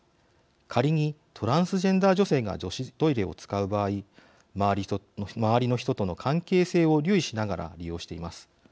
仮にトランスジェンダー女性が女子トイレを使う場合周りの人との関係性を留意しながら利用しています。